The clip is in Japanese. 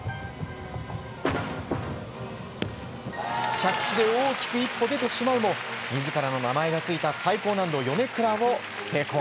着地で大きく１歩出てしまうも自らの名前が付いた最高難度ヨネクラを成功。